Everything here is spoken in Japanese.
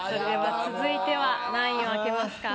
続いては何位を開けますか？